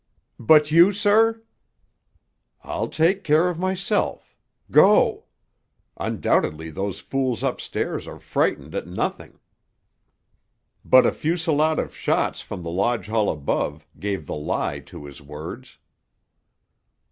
"But you, sir?" "I'll take care of myself—go! Undoubtedly those fools upstairs are frightened at nothing." But a fusillade of shots from the lodge hall above gave the lie to his words.